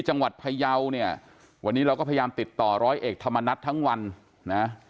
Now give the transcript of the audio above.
พยาวเนี่ยวันนี้เราก็พยายามติดต่อร้อยเอกธรรมนัฐทั้งวันนะ